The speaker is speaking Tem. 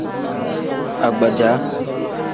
Agbaja.